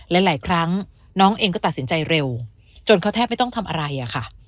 หลายครั้งน้องเองก็ตัดสินใจเร็วจนเขาแทบไม่ต้องทำอะไรอะค่ะ